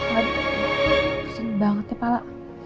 mas aku kesan banget kepala